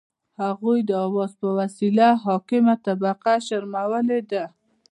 هغوی د اوازو په وسیله حاکمه طبقه شرمولي ده.